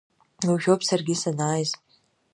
Уажәоуп саргьы санааиз…